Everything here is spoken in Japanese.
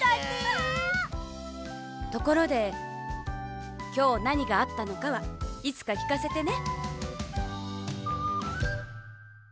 ところできょうなにがあったのかはいつかきかせてね。